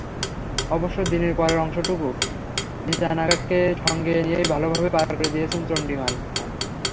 অবশ্য দিনের পরের অংশটুকু ভিতানাগেকে সঙ্গে নিয়ে ভালোভাবেই পার করে দিয়েছেন চান্ডিমাল।